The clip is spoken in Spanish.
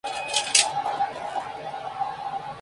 Sin pasar por alto "Lord of the Flies".